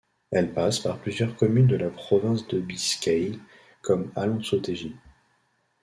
Elle passe par plusieurs communes de la Province deBiscaye comme Alonsotegi.